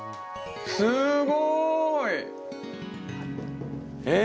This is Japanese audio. すごい！えっ？